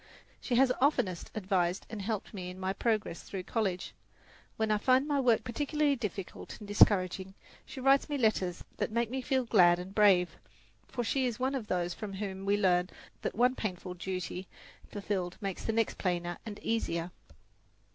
She has oftenest advised and helped me in my progress through college. When I find my work particularly difficult and discouraging, she writes me letters that make me feel glad and brave; for she is one of those from whom we learn that one painful duty fulfilled makes the next plainer and easier.